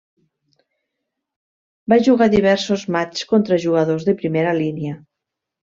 Va jugar diversos matxs contra jugadors de primera línia.